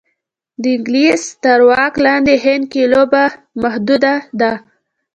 د انګلیس تر واک لاندې هند کې لوبه محدوده ده.